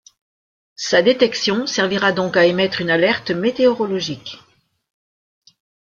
Sa détection servira donc à émettre une alerte météorologique.